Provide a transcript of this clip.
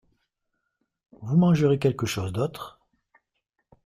Vous mangerez quelque chose d’autre ?